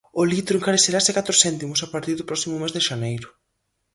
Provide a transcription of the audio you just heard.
O litro encarecerase catro céntimos a partir do próximo mes de xaneiro.